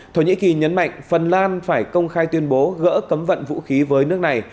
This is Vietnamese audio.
thổ nhĩ kỳ nhấn mạnh phần lan phải công khai tuyên bố gỡ cấm vận vũ khí với nước này